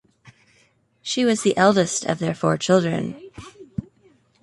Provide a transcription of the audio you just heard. She was the eldest of their four children.